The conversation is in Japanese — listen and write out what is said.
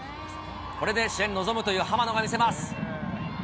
これで試合に臨むという浜野が見せます。